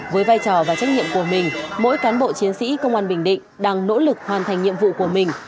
với vai trò và trách nhiệm của mình mỗi cán bộ chiến sĩ công an bình định đang nỗ lực hoàn thành nhiệm vụ của mình